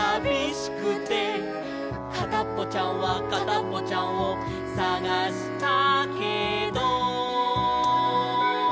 「かたっぽちゃんはかたっぽちゃんをさがしたけど」